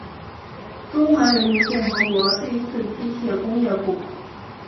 中华人民共和国第四机械工业部。